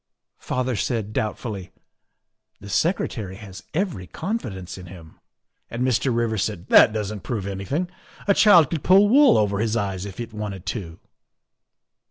" Father said doubtfully, ' The Secretary has every confidence in him,' and Mr. Rivers said, ' That doesn't prove anything. A child could pull wool over his eyes if it wanted to.